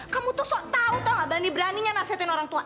kamu tuh tau tau gak berani beraninya nasihatin orang tua